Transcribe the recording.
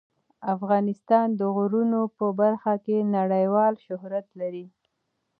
افغانستان د غرونه په برخه کې نړیوال شهرت لري.